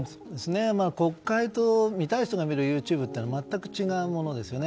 国会と見たい人が見るＹｏｕＴｕｂｅというのは全く違うものですよね。